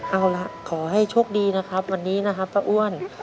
เอาละขอให้โชคดีนะครับวันนี้นะครับป้าอ้วน